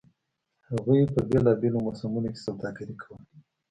هغوی په بېلابېلو موسمونو کې سوداګري کوله